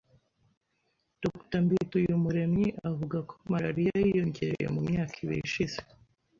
Dr Mbituyumuremyi avuga ko malariya yiyongereye mu myaka ibiri ishize